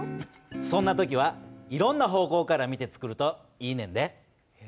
そんな時はいろんな方向から見てつくるといいねんで。え？